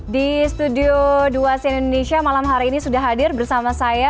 di studio dua si indonesia malam hari ini sudah hadir bersama saya